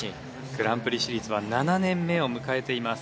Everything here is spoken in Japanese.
グランプリシリーズは７年目を迎えています。